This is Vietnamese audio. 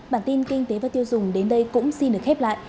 bản tin kinh tế và tiêu dùng đến đây cũng xin được khép lại